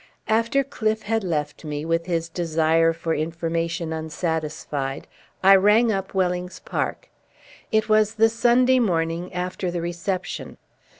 After Cliffe had left me, with his desire for information unsatisfied, I rang up Wellings Park. It was the Sunday morning after the reception.